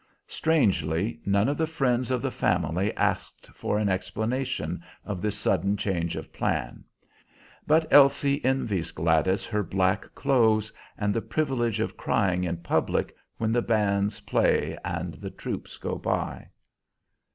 Strangely, none of the friends of the family asked for an explanation of this sudden change of plan. But Elsie envies Gladys her black clothes, and the privilege of crying in public when the bands play and the troops go by.